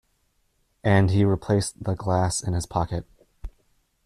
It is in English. And he replaced the glass in his pocket.